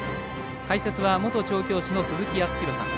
解説は元調教師の鈴木康弘さん。